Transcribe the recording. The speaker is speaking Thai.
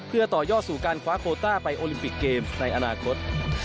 เพื่อต่อยอดสู่การคว้าโคต้าไปโอลิมปิกเกมส์ในอนาคต